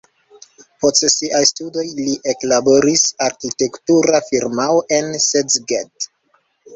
Post siaj studoj li eklaboris arkitektura firmao en Szeged.